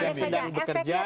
yang sedang bekerja